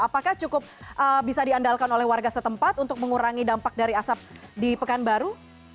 apakah cukup bisa diandalkan oleh warga setempat untuk mengurangi dampak dari asap di pekanbaru